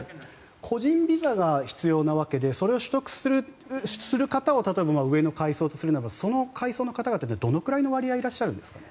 個人ビザが必要なわけでそれを取得する方を例えば上の階層とするならばその階層の方々はどのくらいの割合いらっしゃるんですか？